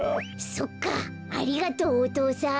そっかありがとうお父さん。